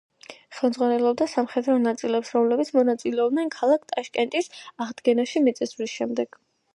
ხელმძღვანელობდა სამხედრო ნაწილებს, რომლებიც მონაწილეობდნენ ქალაქ ტაშკენტის აღდგენაში მიწისძვრის შემდეგ.